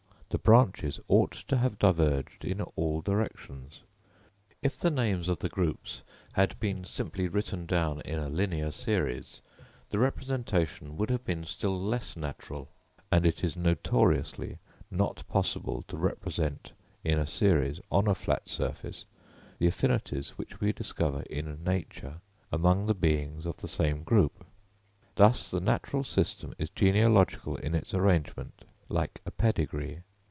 The branches ought to have diverged in all directions. If the names of the groups had been simply written down in a linear series the representation would have been still less natural; and it is notoriously not possible to represent in a series, on a flat surface, the affinities which we discover in nature among the beings of the same group. Thus, the natural system is genealogical in its arrangement, like a pedigree.